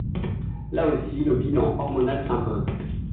Là aussi le bilan hormonal s'impose.